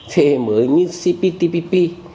thế mới như cptpp